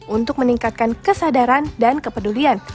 untuk meningkatkan kesadaran dan kepedulian